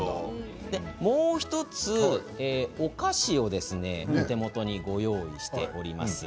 もう１つお菓子をお手元にご用意しております。